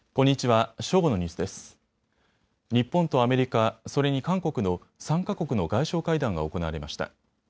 日本とアメリカ、それに韓国の３か国の外相会談が行われました。